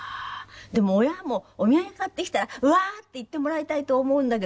でも親もお土産買ってきたら「うわー！」って言ってもらいたいと思うんだけど。